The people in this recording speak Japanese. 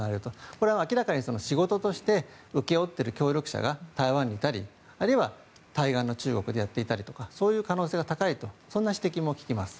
これは明らかに仕事として請け負っている協力者が台湾にいたりあるいは対岸の中国でやっていたりとかそういう可能性が高いとそんな指摘も聞きます。